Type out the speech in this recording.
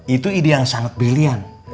itu ide yang sangat brilian